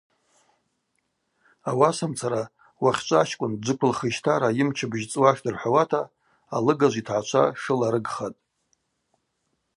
Ауасамцара уахьчӏва ачкӏвын дджвыквылхижьтара йымчыбыжь цӏуаштӏ – рхӏвауата алыгажв йтгӏачва шыла рыгхатӏ.